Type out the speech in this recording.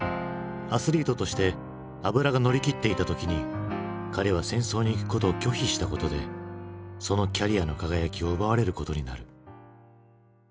アスリートとして脂が乗りきっていた時に彼は戦争に行くことを拒否したことでそのキャリアの輝きを奪われることになる。